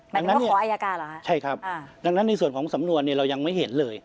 ดังนั้นก็ขออายการเหรอฮะใช่ครับอ่าดังนั้นในส่วนของสำนวนเนี่ยเรายังไม่เห็นเลย